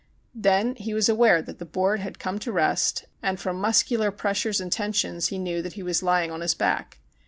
Then he was aware that the board had come to rest, and from muscular pressures and ten sions he knew that he was lying on his back.